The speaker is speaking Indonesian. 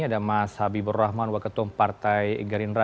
ada mas habibur rahman waketum partai gerindra